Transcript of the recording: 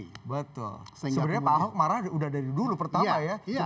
betul sebenarnya pak ahok marah udah dari dulu pertama ya